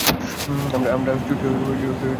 আমরা ছুটছি মাঠের ওপর দিয়ে।